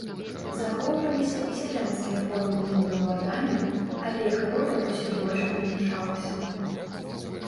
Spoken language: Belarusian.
Захоўваліся і сялянскія формы землеўладання, але іх роля ўсё больш памяншалася.